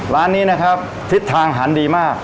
ร้านนี้นะครับทิศทางหันดีมาก